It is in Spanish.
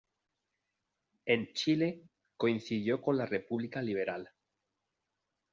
En Chile, coincidió con la República Liberal.